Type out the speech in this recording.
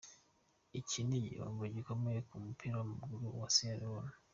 Iki ni igihombo gikomeye ku mupira w'amaguru wa Sierra Leone.